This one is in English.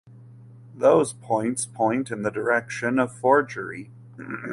Those points point in the direction of forgery.